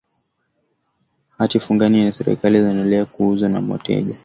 hati fungani za serikali zinaendelea kuuzwa kwa wateja